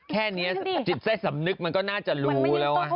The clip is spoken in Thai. แค่นี้จิตใจสำนึกมันก็น่าจะรู้แล้ว